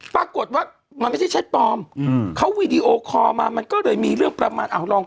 ปรากฏว่ามันไม่ใช่แชทปลอมอืมเขาวีดีโอคอลมามันก็เลยมีเรื่องประมาณอ้าวลอง